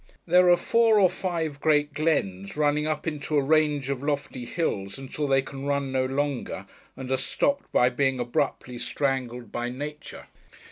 They are four or five great glens, running up into a range of lofty hills, until they can run no longer, and are stopped by being abruptly strangled by Nature.